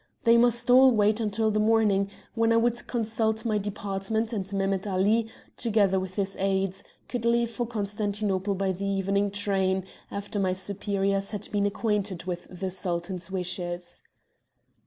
They must all wait until the morning, when I would consult my Department, and Mehemet Ali, together with his aides, could leave for Constantinople by the evening train, after my superiors had been acquainted with the Sultan's wishes.